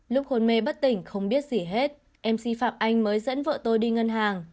lúc hôn mê bất tỉnh không biết gì hết mc phạm anh mới dẫn vợ tôi đi ngân hàng